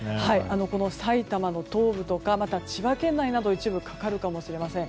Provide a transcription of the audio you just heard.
埼玉の東部とか千葉県内など一部かかるかもしれません。